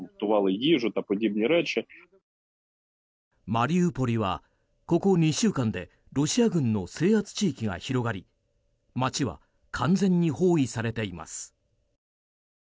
マリウポリは、ここ２週間でロシア軍の制圧地域が広がり街は完全に包囲されています。